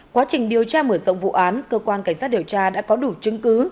quá trình điều tra mở rộng vụ án cơ quan cảnh sát điều tra đã có đủ chứng cứ